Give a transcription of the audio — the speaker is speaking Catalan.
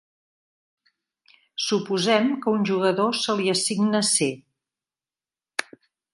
Suposem que a un jugador se li assigna "C".